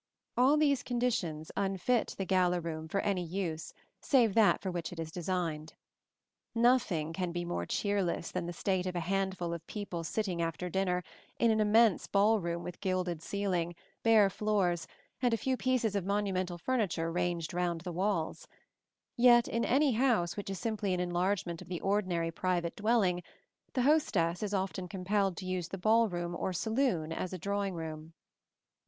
All these conditions unfit the gala room for any use save that for which it is designed. Nothing can be more cheerless than the state of a handful of people sitting after dinner in an immense ball room with gilded ceiling, bare floors, and a few pieces of monumental furniture ranged round the walls; yet in any house which is simply an enlargement of the ordinary private dwelling the hostess is often compelled to use the ball room or saloon as a drawing room.